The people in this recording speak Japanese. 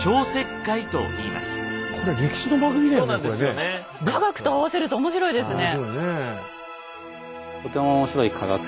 化学と合わせると面白いですね。